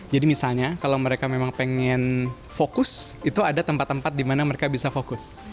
jadi misalnya kalau mereka memang pengen fokus itu ada tempat tempat di mana mereka bisa fokus